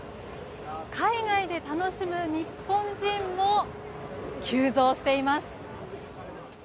海外で楽しむ日本人も急増しています。